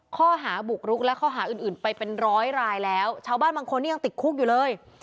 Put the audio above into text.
ข้อหาบุกรุกและข้อหาอื่นอื่นไปเป็นร้อยรายแล้วชาวบ้านบางคนนี่ยังติดคุกอยู่เลย